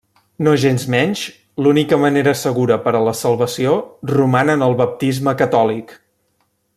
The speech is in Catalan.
Nogensmenys, l'única manera segura per a la salvació roman en el baptisme catòlic.